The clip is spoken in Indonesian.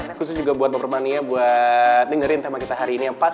ini khusus juga buat mbak permania buat dengerin tema kita hari ini yang pas